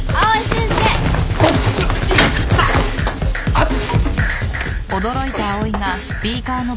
あっ。